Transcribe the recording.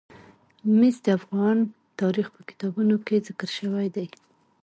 مس د افغان تاریخ په کتابونو کې ذکر شوی دي.